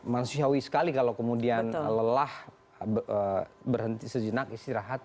manusiawi sekali kalau kemudian lelah berhenti sejenak istirahat